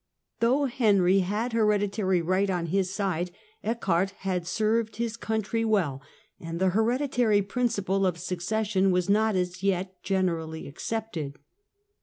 Though Henry had hereditary right on his side, Eckhard had served his country well, and the hereditary principle of succession was not as yet generally accepted.